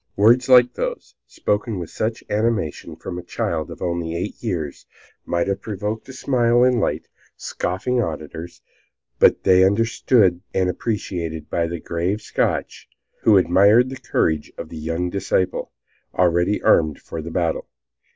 Words like those, spoken with such animation from a child of only eight years, might have provoked a smile in light, scoffing auditors, but they were understood and appreciated by the grave Scotch, who admired the courage of this young disciple, already armed for the battle.